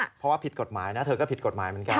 เพราะว่าผิดกฎหมายนะเธอก็ผิดกฎหมายเหมือนกัน